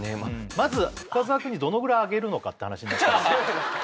まず深澤くんにどのぐらいあげるのかって話になってきます